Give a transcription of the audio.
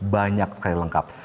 banyak sekali lengkap